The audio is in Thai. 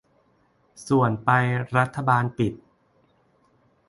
ส่วนไปรัฐบาลปิด